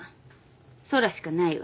空しかないわ。